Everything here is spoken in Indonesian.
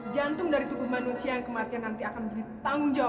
jantung dari tubuh manusia yang kematian nanti akan menjadi tanggung jawab